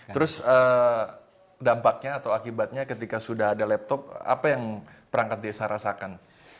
terus dampaknya atau akibatnya ketika sudah ada laptop apa yang perangkat desa rasakan